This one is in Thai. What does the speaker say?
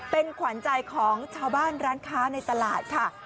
เป็นขวัญใจของชาวบ้านร้านค้าในตลาดค่ะ